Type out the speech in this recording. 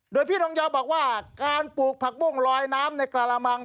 โดยพี่ทองยาวบอกว่าการปลูกผักบุ้งลอยน้ำในกระมัง